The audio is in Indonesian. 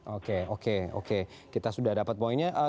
oke oke oke kita sudah dapat poinnya